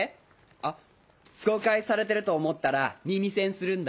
あっ誤解されてると思ったら耳栓するんだ。